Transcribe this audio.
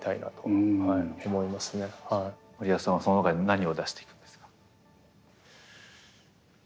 森保さんはその中で何を出していくんですか。